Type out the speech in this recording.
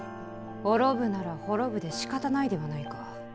滅ぶなら滅ぶでしかたないではないか。